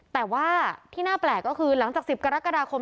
แต่ว่าที่น่าแปลกก็คือหลังจาก๑๐กรกฎาคม